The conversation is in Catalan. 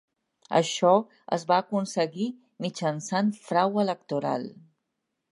Això es va aconseguir mitjançant frau electoral.